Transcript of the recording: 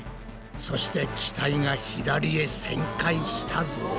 そして機体が左へ旋回したぞ。